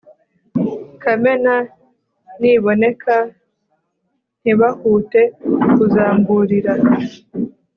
Kamena niboneka ntibahute kuzamburira,